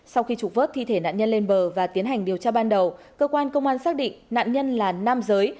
sau khi trục vớt thi thể nạn nhân lên bờ và tiến hành điều tra ban đầu cơ quan công an xác định nạn nhân là nam giới